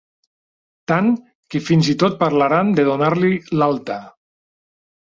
Tant que fins i tot parlaran de donar-li l'alta.